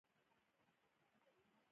ایا موبایل ورته زیان نه رسوي؟